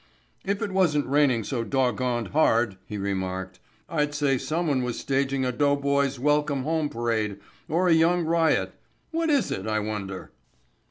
"If it wasn't raining so dog goned hard," he remarked "I'd say someone was staging a doughboy's 'welcome home' parade or a young riot. What is it, I wonder?"